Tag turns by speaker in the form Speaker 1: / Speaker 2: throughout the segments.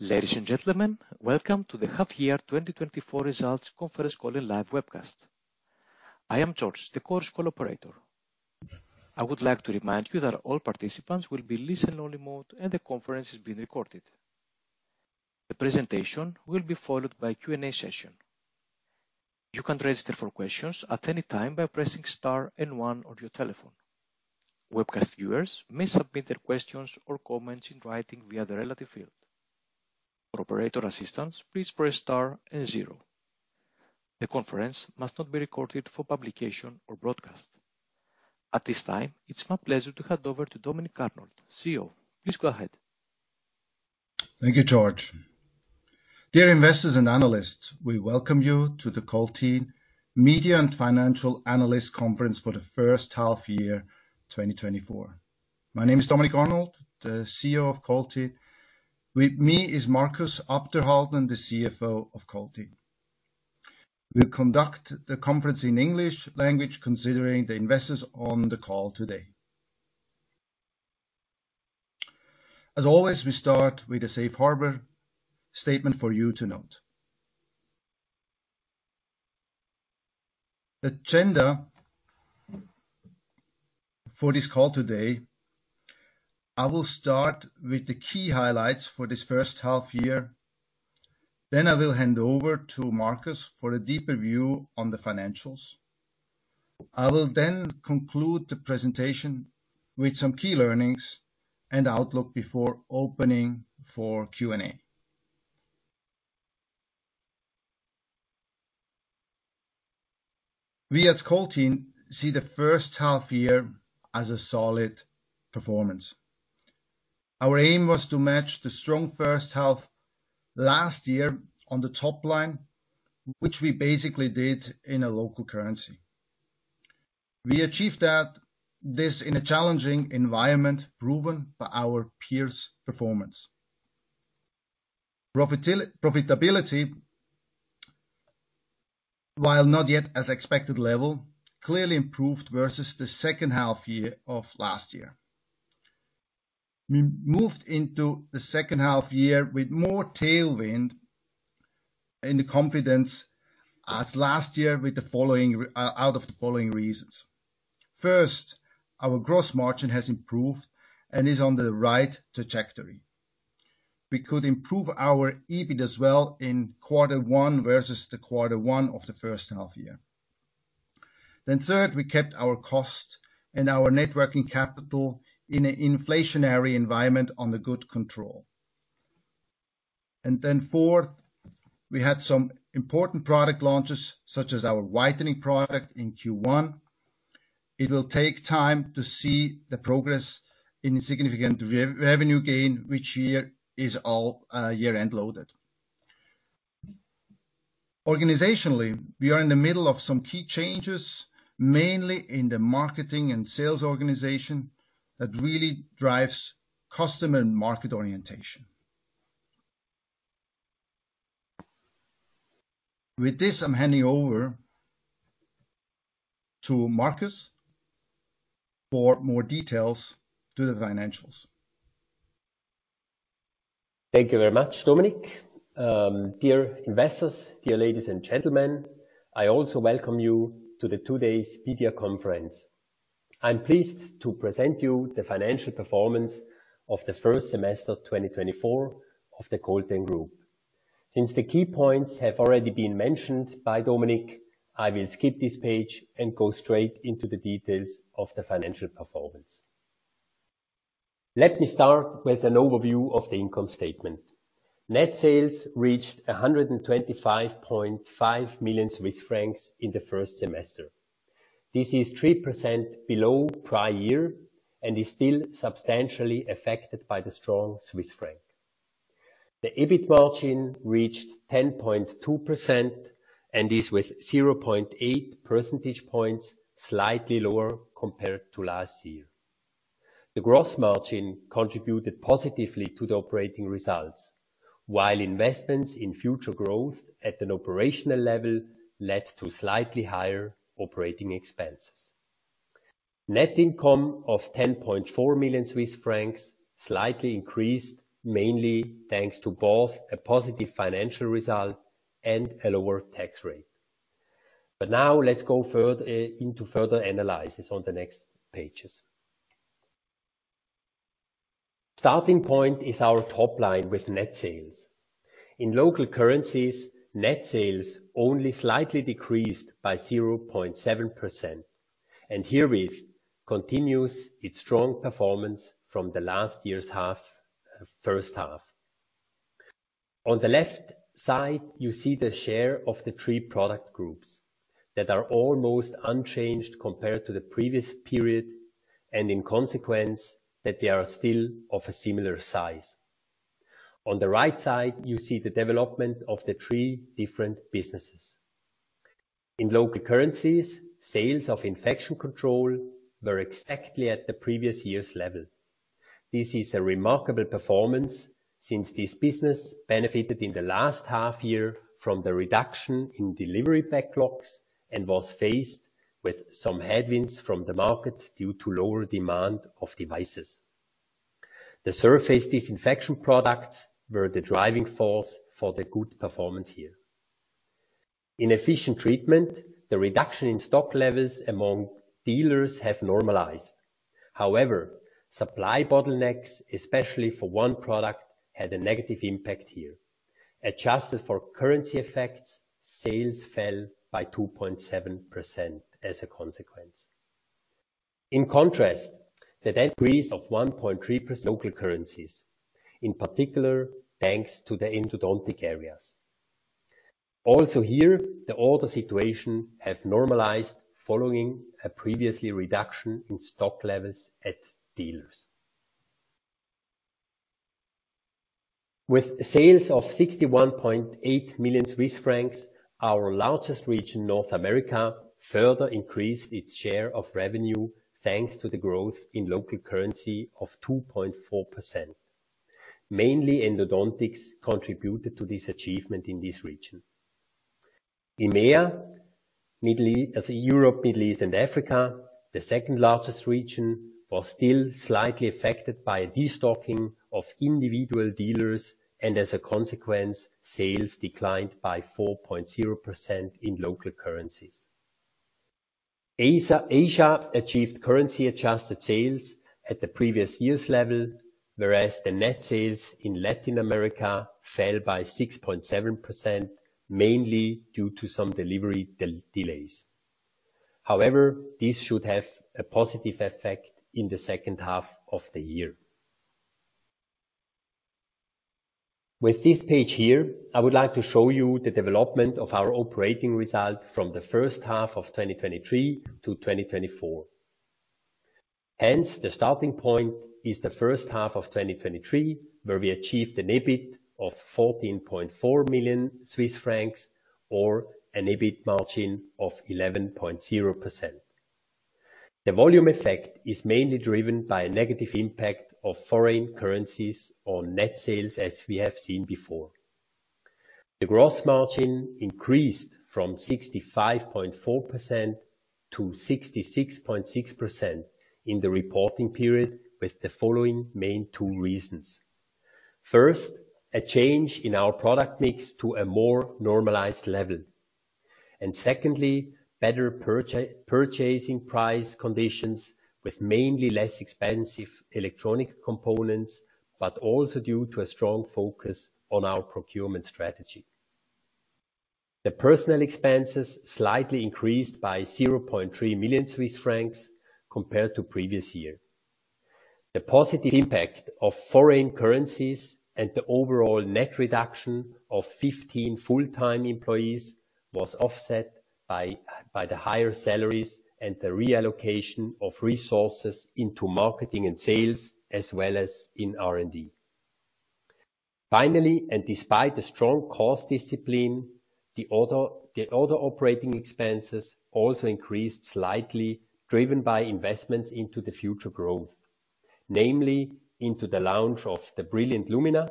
Speaker 1: Ladies and gentlemen, welcome to the half-year 2024 Results Conference Call and live webcast. I am George, the conference call operator. I would like to remind you that all participants will be in listen-only mode, and the conference is being recorded. The presentation will be followed by a Q&A session. You can register for questions at any time by pressing star and one on your telephone. Webcast viewers may submit their questions or comments in writing via the relevant field. For operator assistance, please press star and zero. The conference must not be recorded for publication or broadcast. At this time, it's my pleasure to hand over to Dominik Arnold, CEO. Please go ahead.
Speaker 2: Thank you, George. Dear investors and analysts, we welcome you to the COLTENE Media and Financial Analyst Conference for the first half year, 2024. My name is Dominik Arnold, the CEO of COLTENE. With me is Markus Abderhalden, the CFO of COLTENE. We'll conduct the conference in English language, considering the investors on the call today. As always, we start with a safe harbor statement for you to note. The agenda for this call today, I will start with the key highlights for this first half year, then I will hand over to Markus for a deeper view on the financials. I will then conclude the presentation with some key learnings and outlook before opening for Q&A. We at COLTENE see the first half year as a solid performance. Our aim was to match the strong first half last year on the top line, which we basically did in a local currency. We achieved that, this in a challenging environment, proven by our peers' performance. Profitability, while not yet at the expected level, clearly improved versus the second half of last year. We moved into the second half with more tailwind and the confidence as last year out of the following reasons. First, our gross margin has improved and is on the right trajectory. We could improve our EBIT as well in quarter one versus the quarter one of the first half year. Then third, we kept our cost and our net working capital in an inflationary environment under good control. And then fourth, we had some important product launches, such as our whitening product in Q1. It will take time to see the progress in significant revenue gain, which is all year-end loaded. Organizationally, we are in the middle of some key changes, mainly in the marketing and sales organization, that really drives customer and market orientation. With this, I'm handing over to Markus for more details to the financials.
Speaker 3: Thank you very much, Dominik. Dear investors, dear ladies and gentlemen, I also welcome you to today's media conference. I'm pleased to present you the financial performance of the first semester, 2024, of the COLTENE Group. Since the key points have already been mentioned by Dominik, I will skip this page and go straight into the details of the financial performance. Let me start with an overview of the income statement. Net sales reached 125.5 million Swiss francs in the first semester. This is 3% below prior year and is still substantially affected by the strong Swiss franc. The EBIT margin reached 10.2% and is, with 0.8 percentage points, slightly lower compared to last year. The gross margin contributed positively to the operating results, while investments in future growth at an operational level led to slightly higher operating expenses. Net income of 10.4 million Swiss francs slightly increased, mainly thanks to both a positive financial result and a lower tax rate. But now let's go further, into further analysis on the next pages. Starting point is our top line with net sales. In local currencies, net sales only slightly decreased by 0.7%, and herewith continues its strong performance from the last year's first half. On the left side, you see the share of the three product groups that are almost unchanged compared to the previous period, and in consequence, that they are still of a similar size. On the right side, you see the development of the three different businesses. In local currencies, sales of Infection Control were exactly at the previous year's level. This is a remarkable performance since this business benefited in the last half year from the reduction in delivery backlogs and was faced with some headwinds from the market due to lower demand of devices. The surface disinfection products were the driving force for the good performance here. In Efficient Treatment, the reduction in stock levels among dealers have normalized. However, supply bottlenecks, especially for one product, had a negative impact here. Adjusted for currency effects, sales fell by 2.7% as a consequence. In contrast, the decrease of 1.3% local currencies, in particular, thanks to the endodontic areas. Also here, the order situation have normalized following a previous reduction in stock levels at dealers. With sales of 61.8 million Swiss francs, our largest region, North America, further increased its share of revenue, thanks to the growth in local currency of 2.4%. Mainly, endodontics contributed to this achievement in this region. In EMEA, Europe, Middle East, and Africa, the second-largest region, was still slightly affected by a destocking of individual dealers, and as a consequence, sales declined by 4.0% in local currencies. Asia achieved currency-adjusted sales at the previous year's level, whereas the net sales in Latin America fell by 6.7%, mainly due to some delivery delays. However, this should have a positive effect in the second half of the year. With this page here, I would like to show you the development of our operating result from the first half of 2023 to 2024. Hence, the starting point is the first half of 2023, where we achieved an EBIT of 14.4 million Swiss francs, or an EBIT margin of 11.0%. The volume effect is mainly driven by a negative impact of foreign currencies on net sales, as we have seen before. The gross margin increased from 65.4% to 66.6% in the reporting period, with the following main two reasons: First, a change in our product mix to a more normalized level. And secondly, better purchasing price conditions with mainly less expensive electronic components, but also due to a strong focus on our procurement strategy. The personnel expenses slightly increased by 0.3 million Swiss francs compared to previous year. The positive impact of foreign currencies and the overall net reduction of 15 full-time employees was offset by the higher salaries and the reallocation of resources into marketing and sales, as well as in R&D. Finally, despite the strong cost discipline, the other operating expenses also increased slightly, driven by investments into the future growth, namely into the launch of the BRILLIANT Lumina,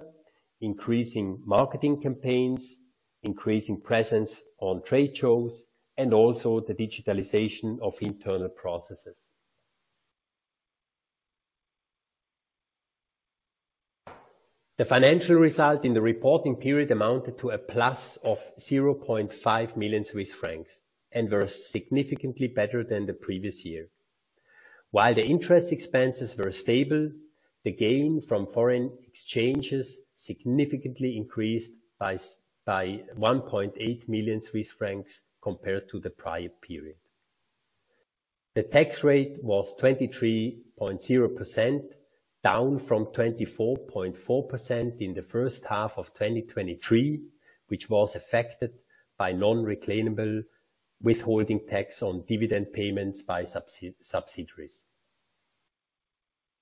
Speaker 3: increasing marketing campaigns, increasing presence on trade shows, and also the digitalization of internal processes. The financial result in the reporting period amounted to a plus of 0.5 million Swiss francs and were significantly better than the previous year. While the interest expenses were stable, the gain from foreign exchanges significantly increased by 1.8 million Swiss francs compared to the prior period. The tax rate was 23.0%, down from 24.4% in the first half of 2023, which was affected by non-reclaimable withholding tax on dividend payments by subsidiaries.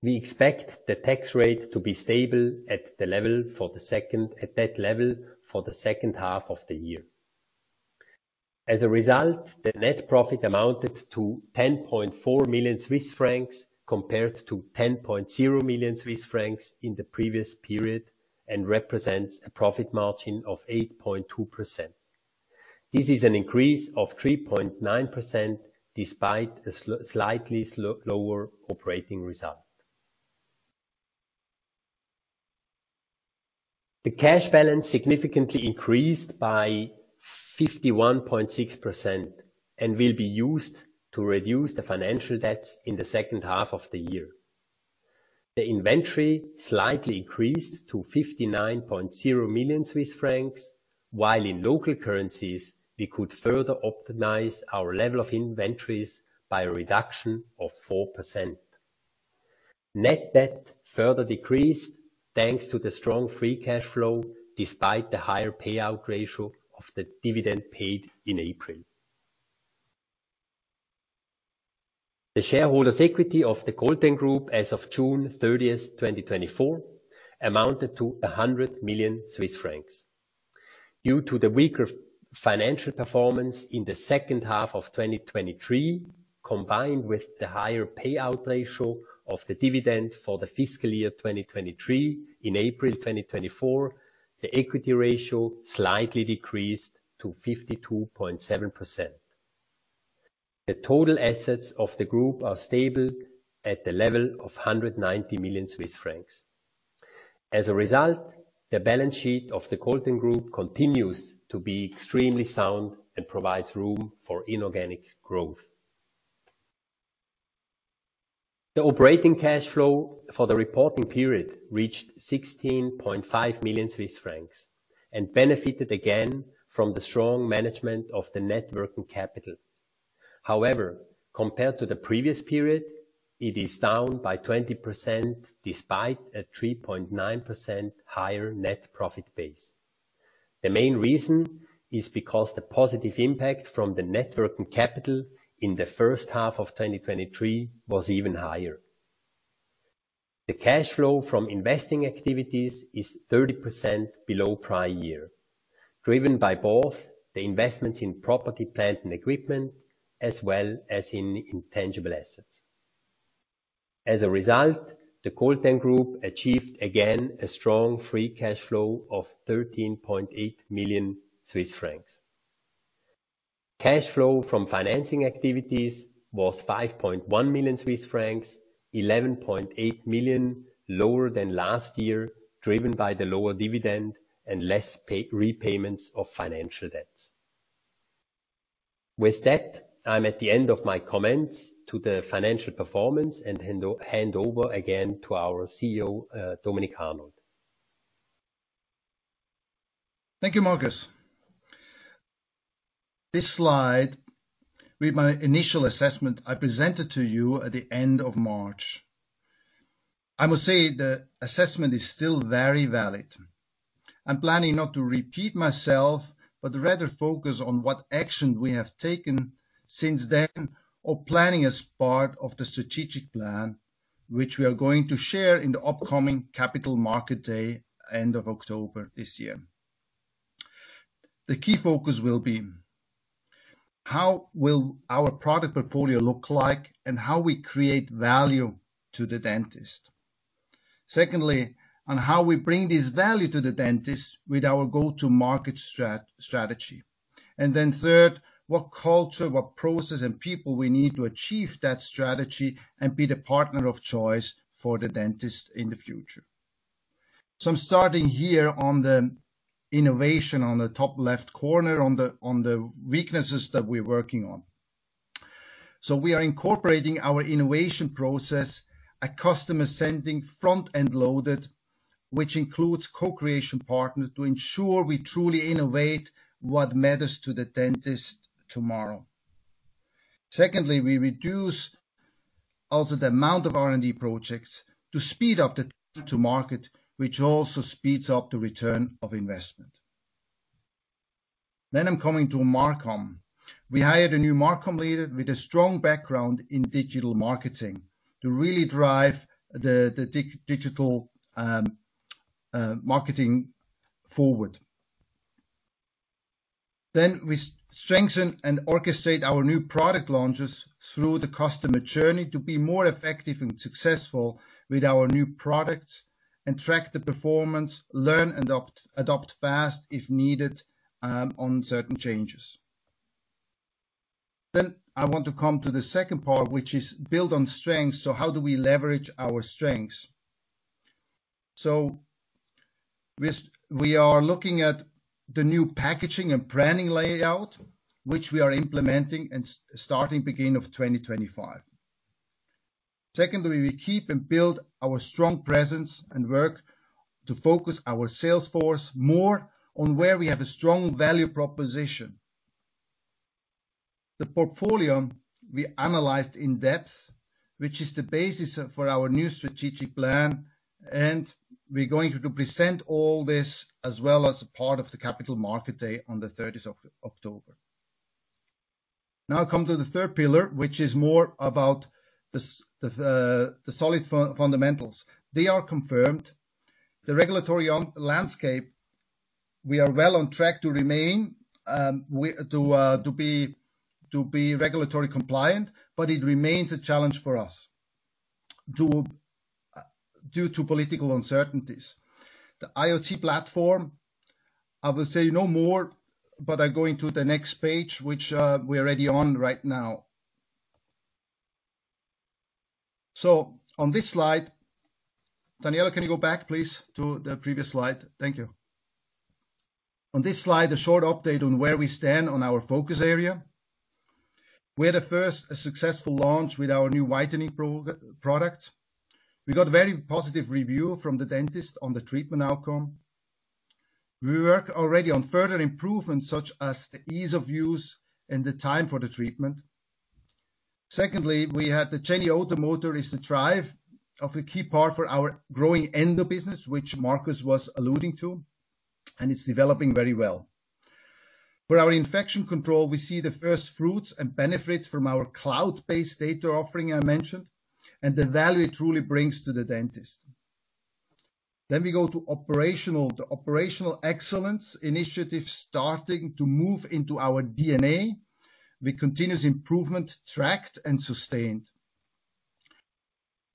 Speaker 3: We expect the tax rate to be stable at that level for the second half of the year. As a result, the net profit amounted to 10.4 million Swiss francs, compared to 10.0 million Swiss francs in the previous period, and represents a profit margin of 8.2%. This is an increase of 3.9%, despite a slightly lower operating result. The cash balance significantly increased by 51.6% and will be used to reduce the financial debts in the second half of the year. The inventory slightly increased to 59.0 million Swiss francs, while in local currencies, we could further optimize our level of inventories by a reduction of 4%. Net debt further decreased, thanks to the strong free cash flow, despite the higher payout ratio of the dividend paid in April. The shareholders' equity of the COLTENE Group as of June 30, 2024, amounted to 100 million Swiss francs. Due to the weaker financial performance in the second half of 2023 combined with the higher payout ratio of the dividend for the fiscal year 2023, in April 2024, the equity ratio slightly decreased to 52.7%. The total assets of the group are stable at the level of 190 million Swiss francs. As a result, the balance sheet of the COLTENE Group continues to be extremely sound and provides room for inorganic growth. The operating cash flow for the reporting period reached 16.5 million Swiss francs, and benefited again from the strong management of the net working capital. However, compared to the previous period, it is down by 20%, despite a 3.9% higher net profit base. The main reason is because the positive impact from the net working capital in the first half of 2023 was even higher. The cash flow from investing activities is 30% below prior year, driven by both the investments in property, plant, and equipment, as well as in intangible assets. As a result, the COLTENE Group achieved again, a strong free cash flow of 13.8 million Swiss francs. Cash flow from financing activities was 5.1 million Swiss francs, 11.8 million lower than last year, driven by the lower dividend and less repayments of financial debts. With that, I'm at the end of my comments to the financial performance, and hand over again to our CEO, Dominik Arnold.
Speaker 2: Thank you, Markus. This slide with my initial assessment I presented to you at the end of March. I must say, the assessment is still very valid. I'm planning not to repeat myself, but rather focus on what action we have taken since then, or planning as part of the strategic plan, which we are going to share in the upcoming Capital Markets Day, end of October this year. The key focus will be: how will our product portfolio look like and how we create value to the dentist? Secondly, on how we bring this value to the dentist with our go-to-market strategy. And then third, what culture, what process, and people we need to achieve that strategy and be the partner of choice for the dentist in the future. So I'm starting here on the innovation, on the top left corner, on the weaknesses that we're working on. So we are incorporating our innovation process, a customer-centric front-end loaded, which includes co-creation partners, to ensure we truly innovate what matters to the dentist tomorrow. Secondly, we reduce also the amount of R&D projects to speed up the time to market, which also speeds up the return of investment. Then I'm coming to MarCom. We hired a new MarCom leader with a strong background in digital marketing to really drive the digital marketing forward. Then we strengthen and orchestrate our new product launches through the customer journey to be more effective and successful with our new products, and track the performance, learn, and adopt fast, if needed, on certain changes. Then I want to come to the second part, which is build on strengths. So how do we leverage our strengths? So we are looking at the new packaging and branding layout, which we are implementing and starting beginning of 2025. Secondly, we keep and build our strong presence and work to focus our sales force more on where we have a strong value proposition. The portfolio we analyzed in depth, which is the basis for our new strategic plan, and we're going to present all this as well as a part of the Capital Markets Day on the thirtieth of October. Now I come to the third pillar, which is more about the the solid fundamentals. They are confirmed. The regulatory landscape, we are well on track to remain regulatory compliant, but it remains a challenge for us, due to political uncertainties. The IoT platform, I will say no more, but I go into the next page, which we're already on right now. So on this slide... Daniela, can you go back, please, to the previous slide? Thank you. On this slide, a short update on where we stand on our focus area. We had a first successful launch with our new whitening product. We got a very positive review from the dentist on the treatment outcome. We work already on further improvements, such as the ease of use and the time for the treatment. Secondly, we had the is the drive of a Jeni endomotor key part for our growing endo business, which Markus was alluding to, and it's developing very well. For our Infection Control, we see the first fruits and benefits from our cloud-based data offering I mentioned, and the value it truly brings to the dentist... Then we go to operational. The operational excellence initiative starting to move into our DNA, with continuous improvement tracked and sustained.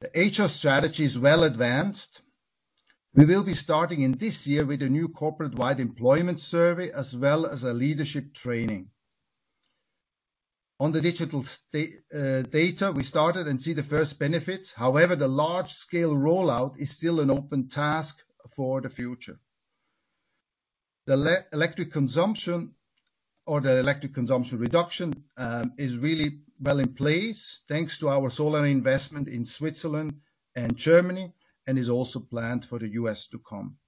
Speaker 2: The HR strategy is well advanced. We will be starting in this year with a new corporate-wide employment survey, as well as a leadership training. On the digital data, we started and see the first benefits. However, the large-scale rollout is still an open task for the future. The electric consumption, or the electric consumption reduction, is really well in place, thanks to our solar investment in Switzerland and Germany, and is also planned for the U.S. to come.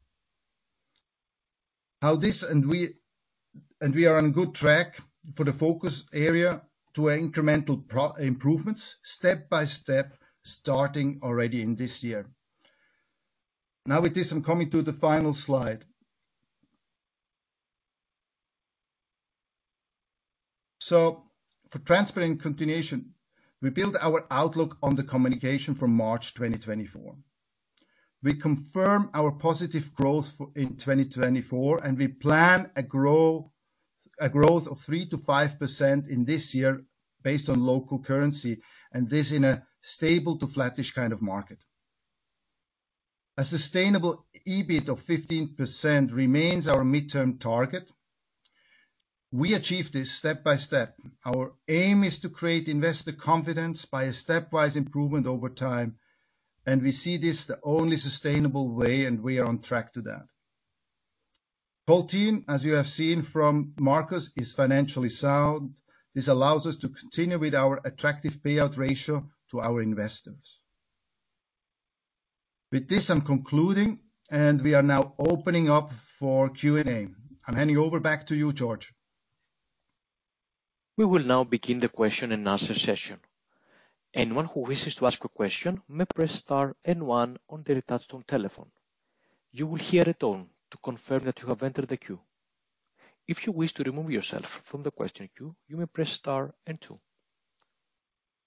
Speaker 2: And we are on good track for the focus area to incremental pro-improvements, step by step, starting already in this year. Now, with this, I'm coming to the final slide. So for transparent continuation, we build our outlook on the communication from March 2024. We confirm our positive growth for, in 2024, and we plan a growth of 3%-5% in this year, based on local currency, and this in a stable to flattish kind of market. A sustainable EBIT of 15% remains our midterm target. We achieve this step by step. Our aim is to create investor confidence by a stepwise improvement over time, and we see this the only sustainable way, and we are on track to that. The balance sheet of COLTENE, as you have seen from Markus, is financially sound. This allows us to continue with our attractive payout ratio to our investors. With this, I'm concluding, and we are now opening up for Q&A. I'm handing over back to you, George.
Speaker 1: We will now begin the question and answer session. Anyone who wishes to ask a question may press star and one on their touch-tone telephone. You will hear a tone to confirm that you have entered the queue. If you wish to remove yourself from the question queue, you may press star and two.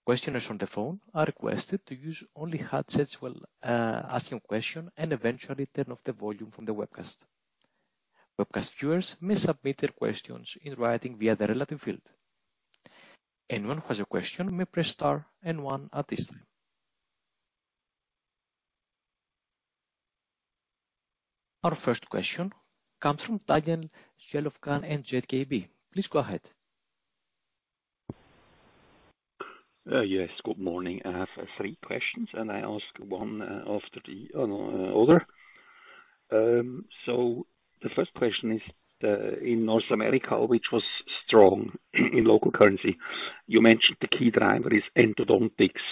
Speaker 1: Questioners on the phone are requested to use only headsets while asking a question, and eventually turn off the volume from the webcast. Webcast viewers may submit their questions in writing via the relevant field. Anyone who has a question may press star and one at this time. Our first question comes from Daniel Jelovcan and SGKB. Please go ahead.
Speaker 4: Yes, good morning. I have three questions, and I ask one after the other. So the first question is, in North America, which was strong in local currency, you mentioned the key driver is endodontics.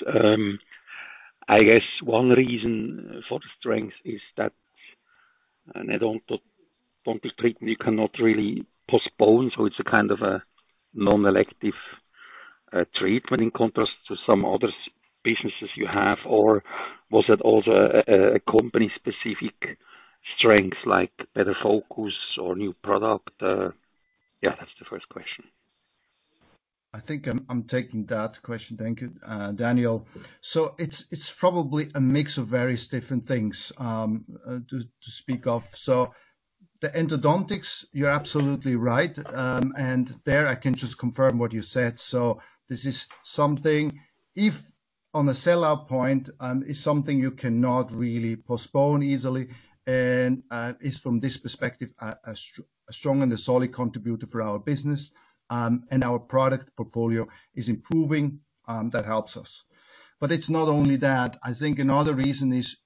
Speaker 4: I guess one reason for the strength is that, an endodontic treatment you cannot really postpone, so it's a kind of a non-elective treatment, in contrast to some other businesses you have. Or was it also a company-specific strength, like better focus or new product? Yeah, that's the first question.
Speaker 2: I think I'm taking that question. Thank you, Daniel. So it's probably a mix of various different things, to speak of. So the endodontics, you're absolutely right, and there I can just confirm what you said. So this is something, if on the sellout point, is something you cannot really postpone easily and, is from this perspective, a strong and a solid contributor for our business. And our product portfolio is improving, that helps us. But it's not only that. I think another reason is,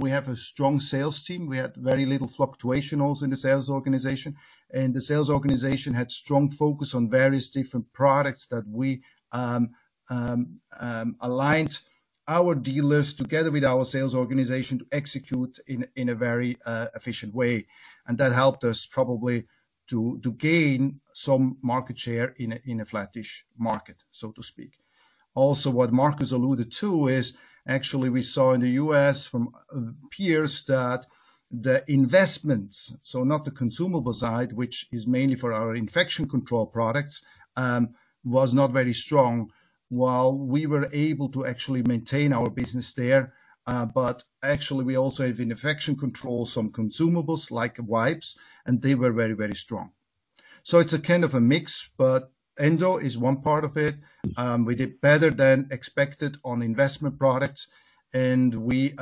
Speaker 2: we have a strong sales team. We had very little fluctuation also in the sales organization, and the sales organization had strong focus on various different products that we aligned our dealers together with our sales organization to execute in a very efficient way. That helped us probably to gain some market share in a flattish market, so to speak. Also, what Markus alluded to is, actually, we saw in the U.S. from peers that the investments, so not the consumable side, which is mainly for our Infection Control products, was not very strong, while we were able to actually maintain our business there. But actually we also have Infection Control, some consumables, like wipes, and they were very, very strong. So it's a kind of a mix, but endo is one part of it. We did better than expected on investment products, and we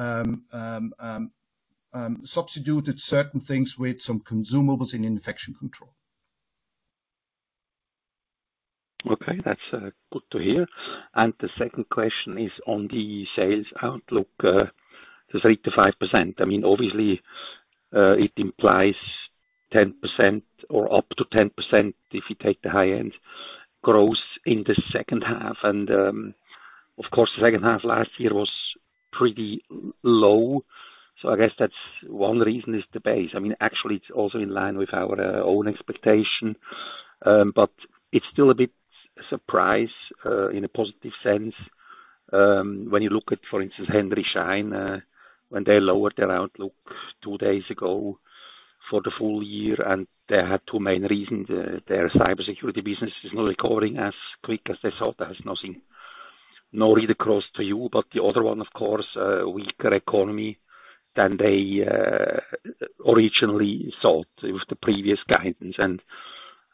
Speaker 2: substituted certain things with some consumables in Infection Control.
Speaker 4: Okay, that's good to hear. And the second question is on the sales outlook, the 3%-5%. I mean, obviously, it implies 10% or up to 10% if you take the high-end growth in the second half. And, of course, the second half last year was pretty low, so I guess that's one reason, is the base. I mean, actually, it's also in line with our own expectation, but it's still a bit surprising, in a positive sense. When you look at, for instance, Henry Schein, when they lowered their outlook two days ago for the full year, and they had two main reasons. Their cybersecurity business is not recovering as quick as they thought. That has nothing-... No read across to you, but the other one, of course, weaker economy than they originally thought. It was the previous guidance, and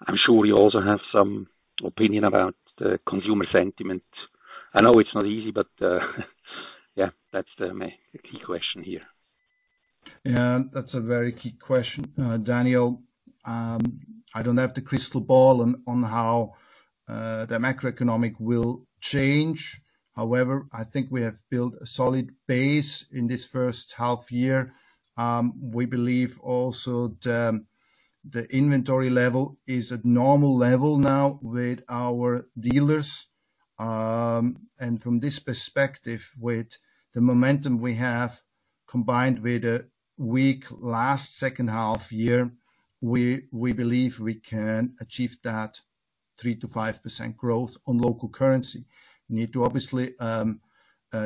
Speaker 4: I'm sure you also have some opinion about the consumer sentiment. I know it's not easy, but yeah, that's the main, the key question here.
Speaker 2: Yeah, that's a very key question, Daniel. I don't have the crystal ball on how the macroeconomic will change. However, I think we have built a solid base in this first half year. We believe also the inventory level is at normal level now with our dealers. And from this perspective, with the momentum we have, combined with a weak last second half year, we believe we can achieve that 3%-5% growth on local currency. We need to obviously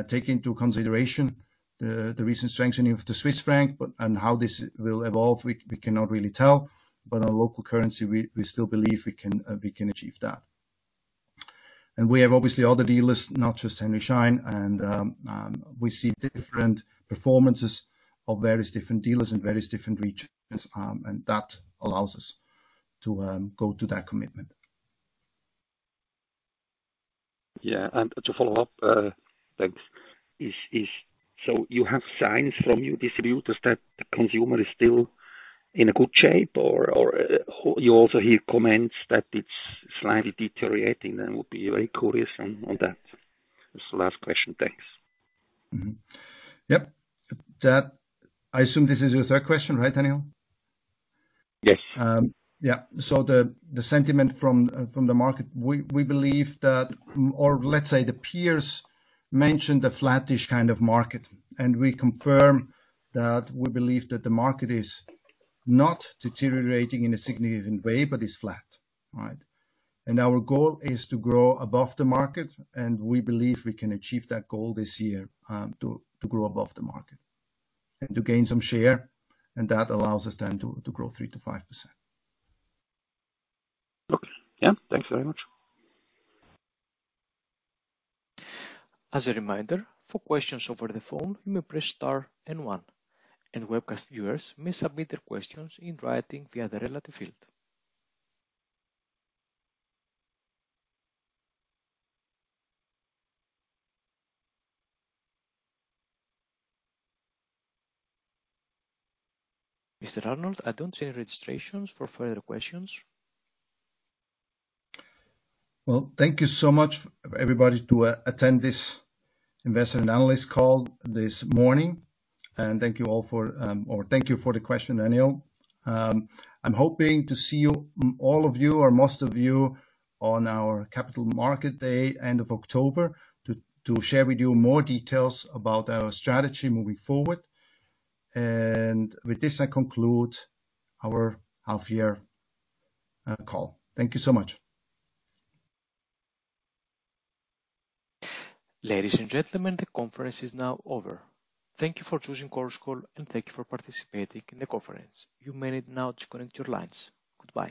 Speaker 2: take into consideration the recent strengthening of the Swiss franc, but and how this will evolve, we cannot really tell. But on local currency, we still believe we can achieve that. We have obviously other dealers, not just Henry Schein, and we see different performances of various different dealers in various different regions, and that allows us to go to that commitment.
Speaker 4: Yeah, and to follow up, thanks. Is so you have signs from your distributors that the consumer is still in a good shape, or, you also hear comments that it's slightly deteriorating? Then would be very curious on, on that. That's the last question. Thanks.
Speaker 2: Yep. That... I assume this is your third question, right, Daniel?
Speaker 4: Yes.
Speaker 2: Yeah. So the sentiment from the market, we believe that, or let's say the peers mentioned a flattish kind of market, and we confirm that we believe that the market is not deteriorating in a significant way, but is flat. Right? And our goal is to grow above the market, and we believe we can achieve that goal this year, to grow above the market and to gain some share, and that allows us then to grow 3%-5%.
Speaker 4: Okay. Yeah, thanks very much.
Speaker 1: As a reminder, for questions over the phone, you may press star and one, and webcast viewers may submit their questions in writing via the relevant field. Mr. Arnold, I don't see any registrations for further questions.
Speaker 2: Well, thank you so much, everybody, to attend this investor and analyst call this morning, and thank you all for, or thank you for the question, Daniel. I'm hoping to see you, all of you or most of you, on our Capital Markets Day, end of October, to share with you more details about our strategy moving forward. And with this, I conclude our half year call. Thank you so much.
Speaker 1: Ladies and gentlemen, the conference is now over. Thank you for choosing Conference Call, and thank you for participating in the conference. You may leave now, disconnect your lines. Goodbye.